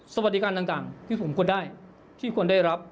สวัสดีการต่างที่ผมควรได้ที่ควรได้รับ